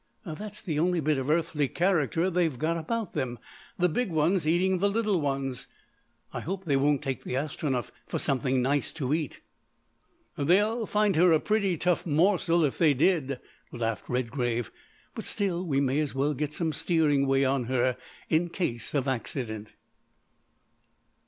That's the only bit of earthly character they've got about them; the big ones eating the little ones. I hope they won't take the Astronef for something nice to eat." "They'd find her a pretty tough morsel if they did," laughed Redgrave, "but still we may as well get some steering way on her in case of accident."